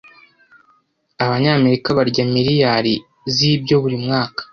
Abanyamerika barya miliyari zibyo buri mwaka